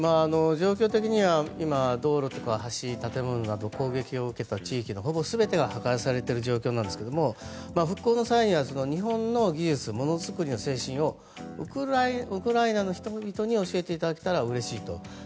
状況的には今は道路とか橋、建物など攻撃を受けた地域のほぼ全てが破壊されている状況なんですけども復興の際には日本の技術、ものづくりの精神をウクライナの人々に教えていただけたらうれしいと。